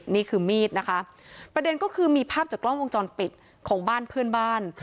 นี่คือมีดนะคะประเด็นก็คือมีภาพจากกล้องวงจรปิดของบ้านเพื่อนบ้าน